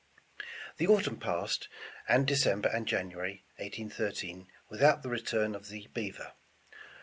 The autumn passed, and December and January, 1813, without the return of the Beaver.